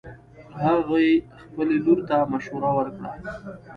هغې خبلې لور ته مشوره ورکړه